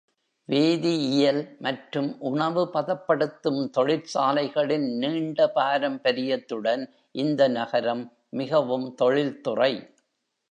வேதியியல் மற்றும் உணவு பதப்படுத்தும் தொழிற்சாலைகளின் நீண்ட பாரம்பரியத்துடன் இந்த நகரம் மிகவும் தொழில்துறை.